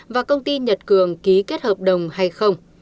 và công ty nhật cường ký kết hợp đồng hay không